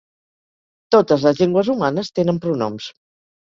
Totes les llengües humanes tenen pronoms.